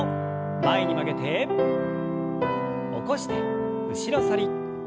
前に曲げて起こして後ろ反り。